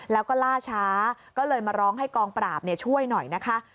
แล้วก็ล่าช้าก็เลยมาร้องให้กองปราบช่วยหน่อยนะคะ